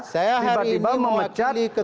saya hari ini melecat